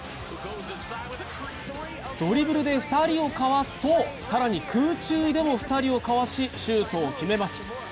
ドリブルで２人をかわすと、更に空中でも２人をかわし、シュートを決めます。